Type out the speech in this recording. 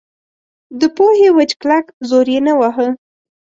د پوهې وچ کلک زور یې نه واهه.